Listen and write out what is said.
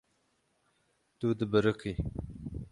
Tu dibiriqî.